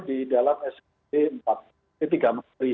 di dalam smp tiga menteri